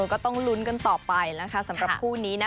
ก็ต้องลุ้นกันต่อไปนะคะสำหรับคู่นี้นะ